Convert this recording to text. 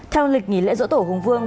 theo lịch nghỉ lễ dỗ tổ hùng vương